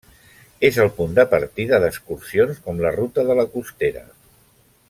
És el punt de partida d'excursions com la ruta de La Costera.